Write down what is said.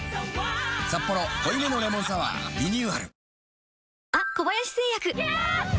「サッポロ濃いめのレモンサワー」リニューアル